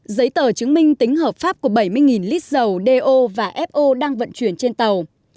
giấy tờ chứng minh tính hợp pháp của bảy mươi lít dầu do và fo đang vận chuyển trên tàu